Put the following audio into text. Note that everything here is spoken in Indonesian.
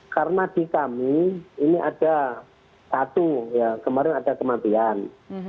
karena di kami ini ada satu ya kemarin ada kematian